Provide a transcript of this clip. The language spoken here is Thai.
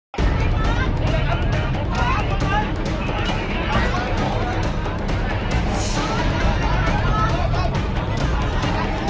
โปรดติดตามสวัสดีสวัสดีค่ะ